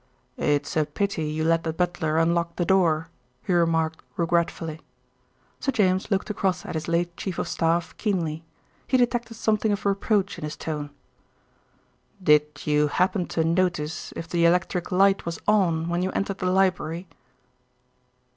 "It's a pity you let the butler unlock the door," he remarked regretfully. Sir James looked across at his late chief of staff keenly. He detected something of reproach in his tone. "Did you happen to notice if the electric light was on when you entered the library?"